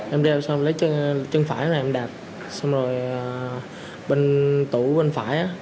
em đeo xong lấy chân phải này em đạp xong rồi bên tủ bên phải